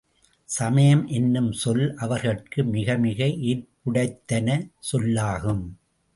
சமயம் என்னும் சொல் அவர்கட்கு மிகமிக ஏற்புடைத்தான சொல்லாகும்.